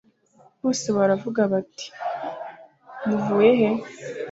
bose baravugaga bati:muvuye he?